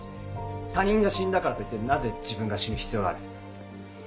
他人が死んだからといってなぜ自分が死ぬ必要がある？